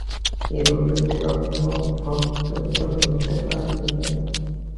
এরূপ ব্যক্তি কখনও ভগবদ্ভক্ত হইতে পারিবে না।